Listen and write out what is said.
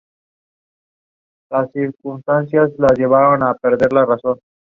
Escribió siete novelas, una de las cuales constituyó un bestseller nacional en Estados Unidos.